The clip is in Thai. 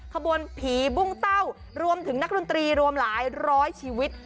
ขบวนผีบุ้งเต้ารวมถึงนักดนตรีรวมหลายร้อยชีวิต